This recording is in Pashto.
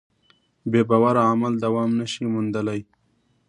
بېباوره عمل دوام نهشي موندلی.